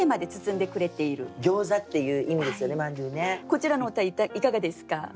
こちらの歌いかがですか？